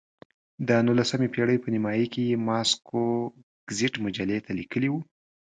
د نولسمې پېړۍ په نیمایي کې یې ماسکو ګزیت مجلې ته لیکلي وو.